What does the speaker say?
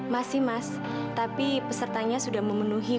masih mas tapi pesertanya sudah memenuhi